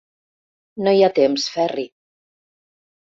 No hi ha temps, Ferri.